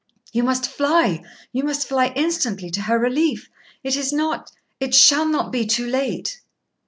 ' You must fly you must fly instantly to her relief. It is not it shall not be too late.'